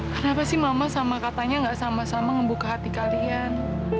kenapa sih mama sama katanya gak sama sama ngebuka hati kalian